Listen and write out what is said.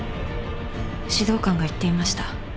指導官が言っていました。